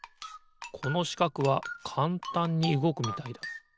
このしかくはかんたんにうごくみたいだ。